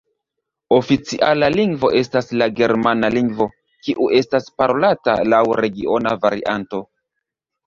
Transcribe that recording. Oficiala lingvo estas la Germana lingvo, kiu estas parolata laŭ regiona varianto.